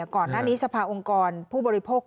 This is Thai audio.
ก่อนหน้านี้สภาองค์กรผู้บริโภค